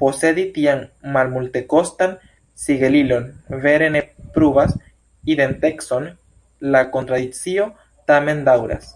Posedi tian malmultekostan sigelilon vere ne pruvas identecon: la tradicio tamen daŭras.